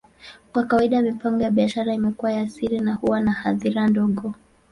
Kwa kawaida, mipango ya biashara imekuwa ya siri na huwa na hadhira ndogo.